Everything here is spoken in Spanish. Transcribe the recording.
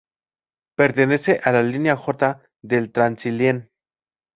Pertenece a la línea J del Transilien.